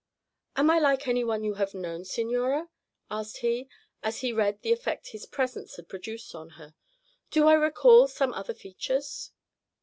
"Am I like any one you have known, signora?" asked he, as he read the effect his presence had produced on her. "Do I recall some other features?"